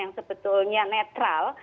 yang sebetulnya netral